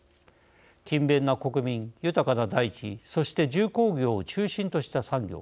勤勉な国民、豊かな大地そして重工業を中心とした産業。